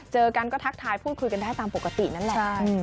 เจอกันก็ทักทายพูดคุยกันได้ตามปกตินั่นแหละ